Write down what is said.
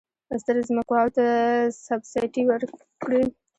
ستر ځمکوالو ته سبسایډي ورکړي.